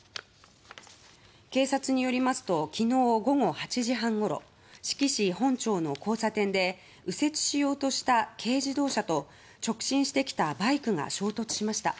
警察によりますときのう午後８時半ごろ志木市本町の交差点で右折しようとした軽自動車と直進してきたバイクが衝突しました。